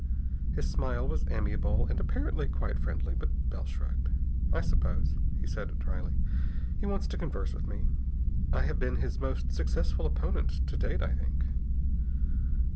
His smile was amiable and apparently quite friendly, but Bell shrugged. "I suppose," he said dryly, "he wants to converse with me. I have been his most successful opponent to date, I think."